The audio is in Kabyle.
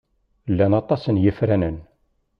Llan aṭas n yifranen.